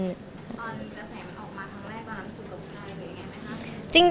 ตอนนี้กระแสมันออกมาทั้งแรกบ้างคุณตกใจหรือยังไงครับ